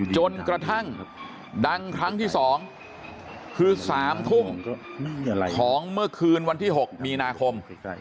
จนกระทั่งดังครั้งที่๒คือ๓ทุ่มของเมื่อคืนวันที่๖มีนาคม